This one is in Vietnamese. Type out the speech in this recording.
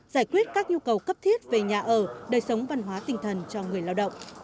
giải quyết các nhu cầu cấp thiết về nhà ở đời sống văn hóa tinh thần cho người lao động